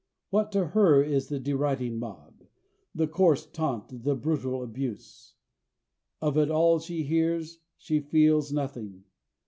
What to her is the deriding mob, the coarse taunt, the brutal abuse? Of it all she hears, she feels nothing.